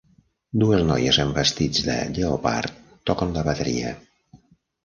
Dues noies amb vestits de lleopard toquen la bateria.